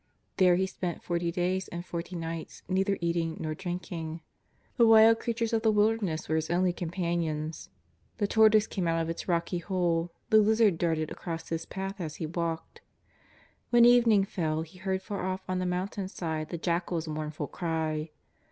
There He spent forty days and forty nights, neither eating nor drinking. The wild crea tures of the wilderness were His only companions. The tortoise came out of its rocky hole, the lizard darted across His path as He walked. When evening fell He heard far off on the mountain side the jackal's mourn ful cry.